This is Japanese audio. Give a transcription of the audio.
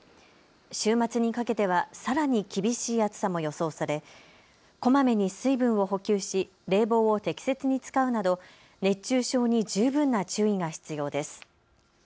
週末にかけてはさらに厳しい暑さも予想されこまめに水分を補給し冷房を適切に使うなど熱中症に十分な注意が必要です。